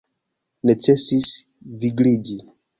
Necesis vigliĝi!